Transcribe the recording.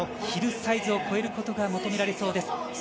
ヒルサイズを越えることが求められそうです。